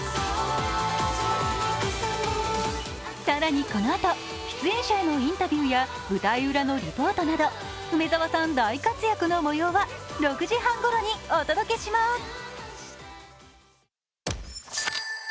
更にこのあと、出演者へのインタビューや舞台裏のリポートなど梅澤さん大活躍の模様は６時半ごろにお届けします。